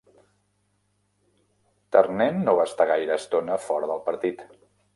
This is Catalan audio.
Ternent no va estar gaire estona fora del partit.